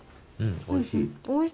おいしい。